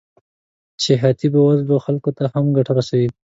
چې حتی بې وزلو خلکو ته هم ګټه رسوي